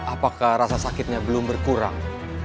apakah rasa sakitnya belum berkurang